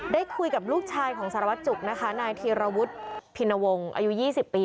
ได้คุยกับลูกชายของสารวัตจุฯนายทีรวรรษพินวงอายุ๒๐ปี